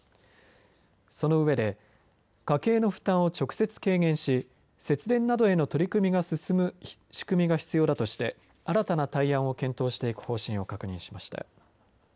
その上で家計の負担を直接軽減し節電などへの取り組みが進む仕組みが必要だとして新たな対案を検討していく方針を確認しました。